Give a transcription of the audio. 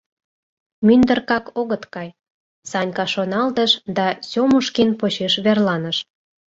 «Мӱндыркак огыт кай», — Санька шоналтыш да Сёмушкин почеш верланыш.